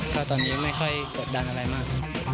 ก็ตอนนี้ไม่ค่อยกดดันอะไรมาก